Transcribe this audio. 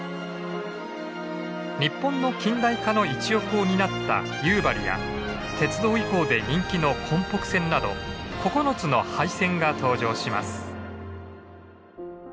日本の近代化の一翼を担った夕張や鉄道遺構で人気の根北線など９つの廃線が登場します。